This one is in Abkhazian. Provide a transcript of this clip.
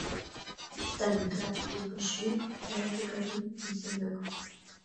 Сталинградтәи еибашьҩык, балтикатәи ӡысаҩык.